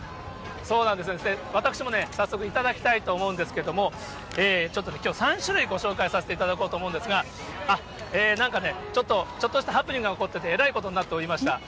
私もね、早速頂きたいと思うんですけれども、ちょっときょう、３種類ご紹介させていただこうと思うんですけれども、なんかね、ちょっと、ちょっとしたハプニングが起こっていて、えらいことになっておりました。